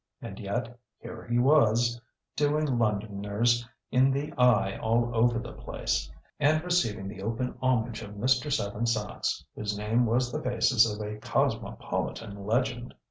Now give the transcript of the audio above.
And yet here he was, "doing Londoners in the eye all over the place," and receiving the open homage of Mr. Seven Sachs, whose name was the basis of a cosmopolitan legend.